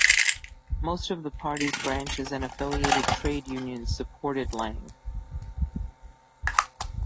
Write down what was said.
Most of the party's branches and affiliated trade unions supported Lang.